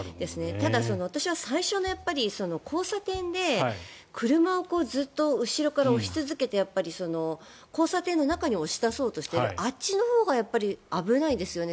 ただ、私は最初の交差点で車をずっと後ろから押し続けて交差点の中に押し出そうとしているあっちのほうがやっぱり危ないですよね。